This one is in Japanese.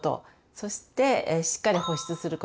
そしてしっかり保湿すること。